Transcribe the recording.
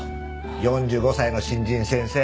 ４５歳の新人先生